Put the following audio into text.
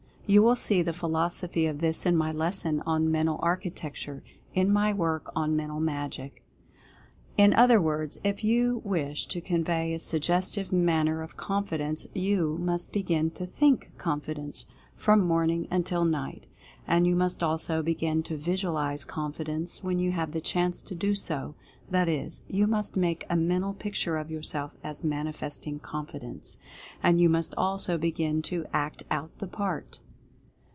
You will see the philosophy of this in my lesson on "Mental Architec ture," in my work on "Mental Magic." In other words, if you wish to convey a Suggestive Manner of Confidence, you must begin to THINK "Confidence" from morning until night. And you must also begin to Visualize "Confidence" when you have the chance to do so — that is, you must make a Mental Picture of yourself as manifesting Confidence. And you must also begin to ACT OUT THE PART.